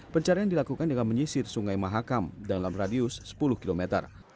pencarian dilakukan dengan menyisir sungai mahakam dalam radius sepuluh km